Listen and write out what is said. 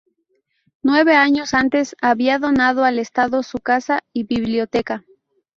Nueve años antes había donado al Estado su casa y su biblioteca.